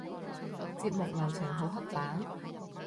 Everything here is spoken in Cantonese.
節目流程好刻板？